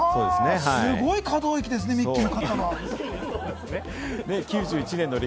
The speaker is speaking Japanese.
すごい可動域ですね、ミッキー。